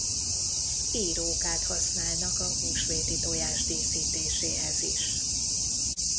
Írókát használnak a húsvéti tojás díszítéséhez is.